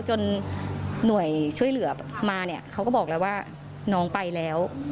หน่วยช่วยเหลือมาเนี่ยเขาก็บอกแล้วว่าน้องไปแล้ว